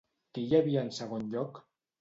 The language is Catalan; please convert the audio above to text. Qui hi havia en segon lloc?